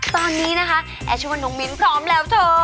ตอนนี้นะคะแอชัวน้องมิ้นพร้อมแล้วเธอ